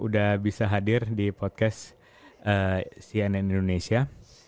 udah bisa hadir di podcast cnn indonesia